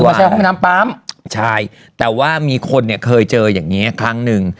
ก็คือมาเข้าห้องน้ำป๊ามใช่แต่ว่ามีคนเนี่ยเคยเจออย่างนี้ครั้งนึง